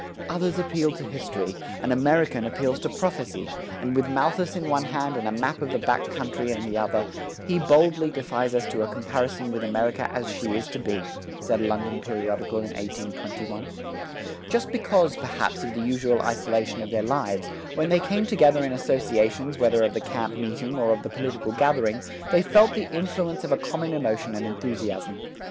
"Others appeal to history: an American appeals to prophecy; and with Malthus in one hand and a map of the back country in the other, he boldly defies us to a comparison with America as she is to be," said a London periodical in 1821. Just because, perhaps, of the usual isolation of their lives, when they came together in associations whether of the camp meeting or of the political gathering, they felt the influence of a common emotion and enthusiasm.